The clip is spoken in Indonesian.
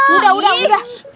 udah udah udah